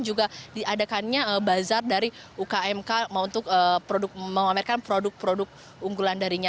juga diadakannya bazar dari ukmk untuk memamerkan produk produk unggulan darinya